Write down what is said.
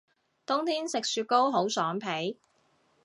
冬天食雪糕好爽皮